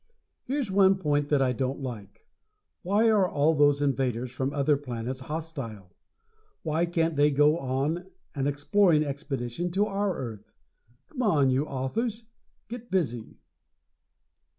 Here's one point that I don't like: Why are all those invaders from other planets hostile? Why can't they go on an exploring expedition to our Earth? C'm'on, you Authors get busy!